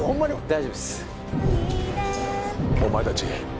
大丈夫ですお前達